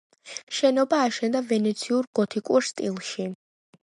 შენობა აშენდა ვენეციურ გოთიკურ სტილში.